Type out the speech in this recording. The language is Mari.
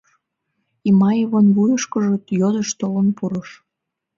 — Имаевын вуйышкыжо йодыш толын пурыш.